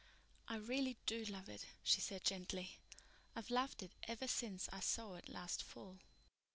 "I really do love it," she said gently. "I've loved it ever since I saw it last fall.